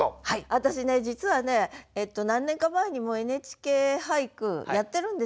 私ね実はね何年か前にも「ＮＨＫ俳句」やってるんですよ。